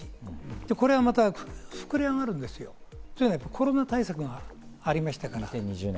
これがまた膨れ上がるんですよ、コロナ対策がありましたから。